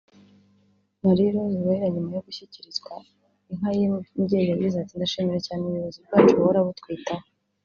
Marie Rose Uwera nyuma yo gushyikirizwa inka y’imbyeyi yagize ati “Ndashimira cyane ubuyobzi bwacu buhora butwitaho